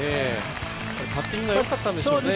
パッティングが良かったんですね。